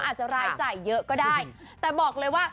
อาจจะรายจ่ายเยอะก็ได้แต่บอกเลยว่า